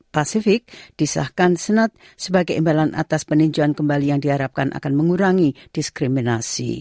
pasifik disahkan senat sebagai imbalan atas peninjauan kembali yang diharapkan akan mengurangi diskriminasi